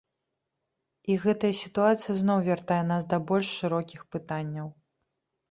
І гэтая сітуацыя зноў вяртае нас да больш шырокіх пытанняў.